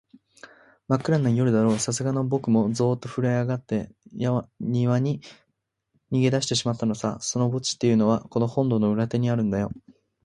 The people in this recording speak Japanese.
まっくらな夜だろう、さすがのぼくもゾーッとふるえあがって、やにわに逃げだしてしまったのさ。その墓地っていうのは、この本堂の裏手にあるんだよ。